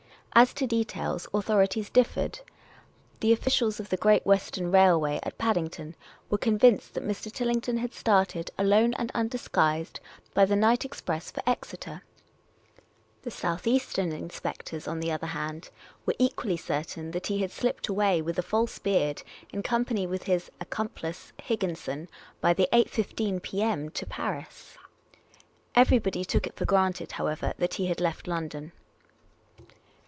As to details, authorities differed. The officials of the Great Western Railway at Paddington were convinced that Mr. Tillington had started, alone and undisguised, by the night express for P^xeter. The South Eastern inspectors at Charing Cross, on the other 2<)3 294 Miss Cayley's Adventures hand, were equally certain that he had slipped away with a false beard, in company with his " accomplice " Higginson, by the 8.15 p.m. to Paris. Everybody took it for granted, however, that he had left London.